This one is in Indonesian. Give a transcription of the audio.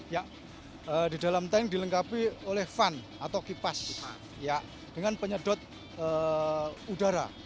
ya di dalam tank dilengkapi oleh fun atau kipas dengan penyedot udara